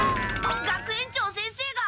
学園長先生が。